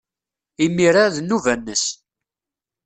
Imir-a, d nnuba-nnes.